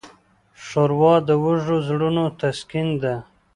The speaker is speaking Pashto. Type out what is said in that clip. ښوروا د وږو زړونو تسکین ده.